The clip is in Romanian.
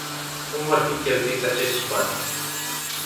Cum vor fi cheltuiți acești bani?